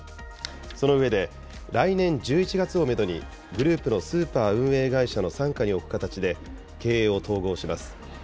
その上で、来年１１月をメドに、グループのスーパー運営会社の傘下に置く形で経営を統合します。